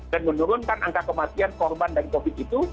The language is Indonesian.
dan menurunkan angka kematian korban dari covid sembilan belas itu